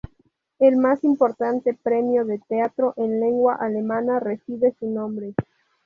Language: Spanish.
El más importante premio de teatro en lengua alemana recibe su nombre.